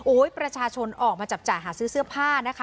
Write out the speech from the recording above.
ประชาชนออกมาจับจ่ายหาซื้อเสื้อผ้านะคะ